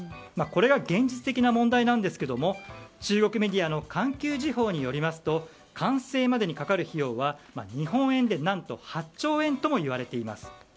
これは現実的な問題ですが中国メディアの環球時報によりますと完成までにかかる費用は日本円で何と８兆円ともいわれています。